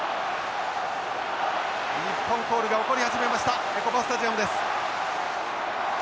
日本コールが起こり始めましたエコパスタジアムです。